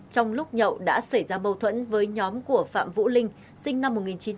trong lúc nhậu đã xảy ra mâu thuẫn với nhóm của phạm vũ linh sinh năm một nghìn chín trăm tám mươi